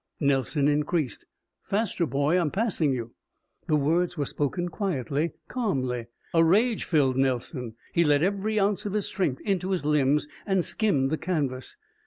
Nelson increased. "Faster, boy, I'm passing you." The words were spoken quietly, calmly. A rage filled Nelson. He let every ounce of his strength into his limbs and skimmed the canvas.